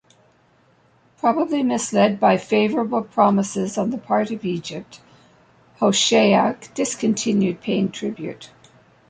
Probably misled by favorable promises on the part of Egypt, Hoshea discontinued paying tribute.